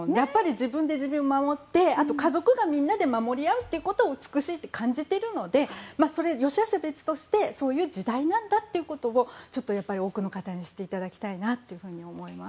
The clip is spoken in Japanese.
自分で自分を守って、家族がみんなで守り合うということを美しいと感じているので良し悪しは別としてそういう時代なんだということを多くの方に知っていただきたいなと思います。